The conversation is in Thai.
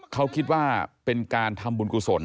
เขาคิดว่าเป็นการทำบุญกุศล